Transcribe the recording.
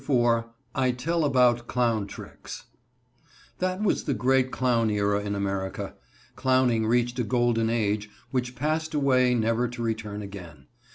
IV I TELL ABOUT CLOWN TRICKS That was the great clown era in America. Clowning reached a golden age which passed away, never to return again.